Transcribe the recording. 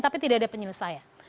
tapi tidak ada penyelesaian